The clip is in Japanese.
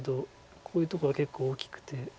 こういうとこは結構大きくて。